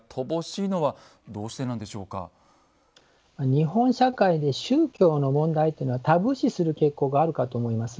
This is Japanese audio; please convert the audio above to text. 日本社会で宗教の問題というのはタブー視する傾向があるかと思います。